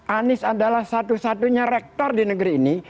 anies adalah satu satunya rektor di negeri ini